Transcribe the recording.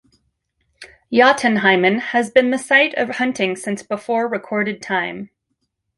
Jotunheimen has been the site of hunting since before recorded time.